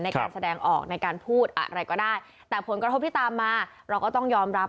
ในการแสดงออกในการพูดอะไรก็ได้แต่ผลกระทบที่ตามมาเราก็ต้องยอมรับ